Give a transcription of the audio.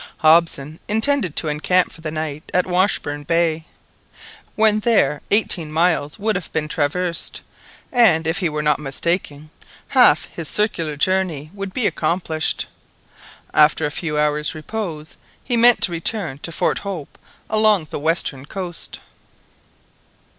Hobson intended to encamp for the night at Washburn Bay. When there eighteen miles would have been traversed, and, if he were not mistaken, half his circular journey would be accomplished. After a few hours' repose he meant to return to Fort Hope along the western coast.